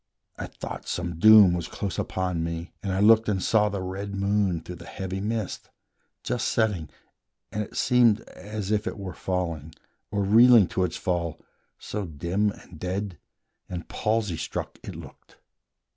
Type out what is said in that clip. I thought Some doom was close upon me, and I looked And saw the red moon through the heavy mist, Just setting, and it seemed as if it were falling, Or reeling to its fall, so dim and dead And palsy struck it looked.